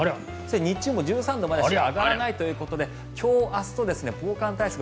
日中も１３度までしか上がらないということで今日、明日と防寒対策